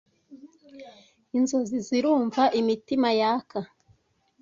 inzozi zirumva imitima yaka